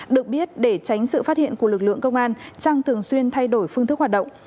được biết để tránh sự phát hiện của lực lượng công an trang thường xuyên thay đổi phương thức hoạt động